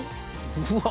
うわ！